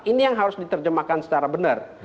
ini yang harus diterjemahkan secara benar